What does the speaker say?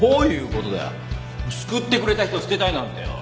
救ってくれた人捨てたいなんてよ。